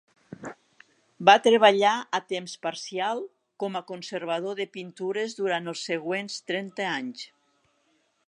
Va treballar a temps parcial com a conservador de pintures durant els següents trenta anys.